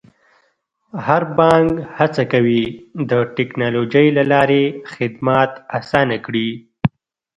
هر بانک هڅه کوي د ټکنالوژۍ له لارې خدمات اسانه کړي.